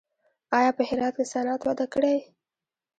آیا په هرات کې صنعت وده کړې؟